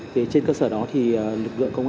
thì trên cơ sở đó thì lực lượng công an